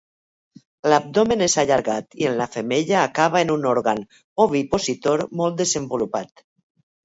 L'abdomen és allargat i en la femella acaba en un òrgan ovipositor molt desenvolupat.